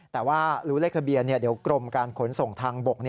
แต่ว่ารู้เลขทะเบียนเดี๋ยวกรมการขนส่งทางบก